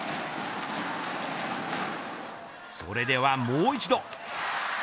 それでは、もう一度。